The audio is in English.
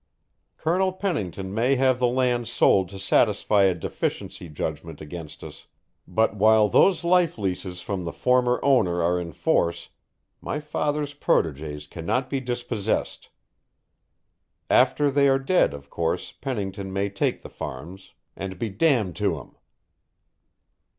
Colonel Pennington may have the lands sold to satisfy a deficiency judgment against us, but while those life leases from the former owner are in force, my father's proteges cannot be dispossessed. After they are dead, of course, Pennington may take the farms and be damned to him."